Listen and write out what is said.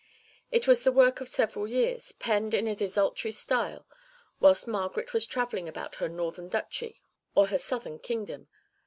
It was the work of several years, penned in a desultory style whilst Margaret was travelling about her northern duchy or her southern kingdom.